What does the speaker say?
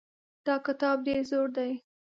دا کتاب ډېر زوړ دی.